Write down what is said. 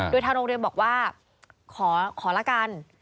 โดยทางโรงเรียนบอกว่าขอละกัน